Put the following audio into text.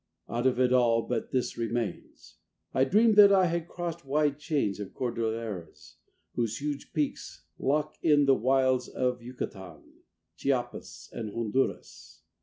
III Out of it all but this remains: I dreamed that I had crossed wide chains Of Cordilleras, whose huge peaks Lock in the wilds of Yucatan, Chiapas and Honduras.